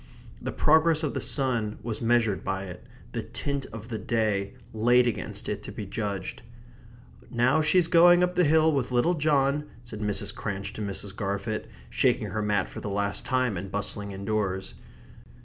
The progress of the sun was measured by it; the tint of the day laid against it to be judged. "Now she's going up the hill with little John," said Mrs. Cranch to Mrs. Garfit, shaking her mat for the last time, and bustling indoors.